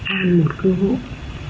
an một cơ hội